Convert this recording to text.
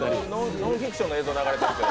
ノンフィクションの映像が流れてますよ。